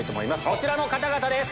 こちらの方々です！